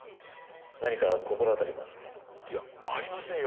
何か心当たりは？いやありませんよ